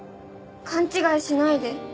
勘違いしないで。